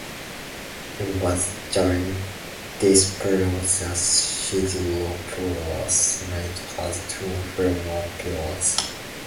It was during this period that Sidiropoulos made his two film appearances.